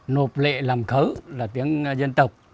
nộp lệ làm khớ là tiếng dân tộc